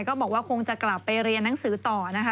ก็บอกว่าคงจะกลับไปเรียนหนังสือต่อนะคะ